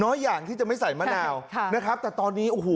อย่างที่จะไม่ใส่มะนาวค่ะนะครับแต่ตอนนี้โอ้โห